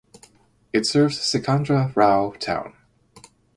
It serves Sikandra Rao town.